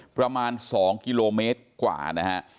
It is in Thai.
ประมาณ๒กิโลเมตรกว่านะฮะ